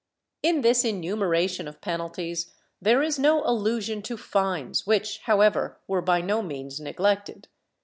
^ In this enumeration of penalties there is no allusion to fines, which, however, were by no means neglected.